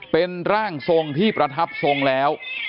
เป็นร่างทรงที่ประทับทรงแล้ว